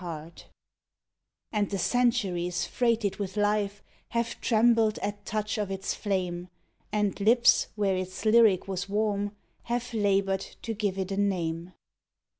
So THE WILL And the centuries freighted with life Have trembled at touch of its flame, And lips where its lyric was warm Have laboured to give it a name.